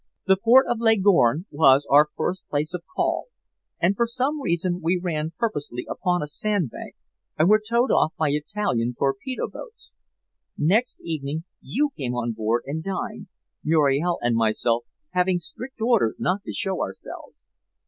"The port of Leghorn was our first place of call, and for some reason we ran purposely upon a sandbank and were towed off by Italian torpedo boats. Next evening you came on board and dined, Muriel and myself having strict orders not to show ourselves.